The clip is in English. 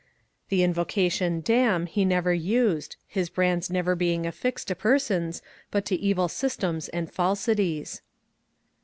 The invocation ^^ damn '* he never used, his brands never being affixed to persons but to evil systems and falsities.